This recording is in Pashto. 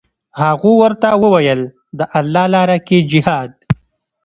هغو ورته وویل: د الله لاره کې جهاد.